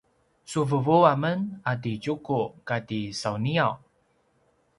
su vuvu amen a ti Tjuku kati sauniaw